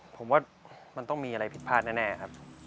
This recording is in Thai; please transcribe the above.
ผมว่ามันต้องมีอะไรผิดพลาดแน่ครับ